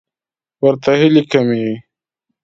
ورته هیلې کمې وې.